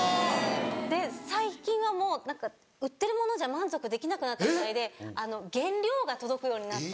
で最近はもう売ってるものじゃ満足できなくなったみたいで原料が届くようになって。